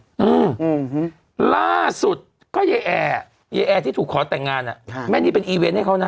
โอ้โหมั้งมหือร่าสุดก็เย้แอเย้แอที่ถูกขอแต่งงานน่ะแม่นี้เป็นอีเวนต์ให้เขานะ